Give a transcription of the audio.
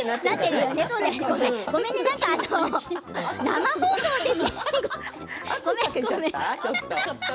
生放送で。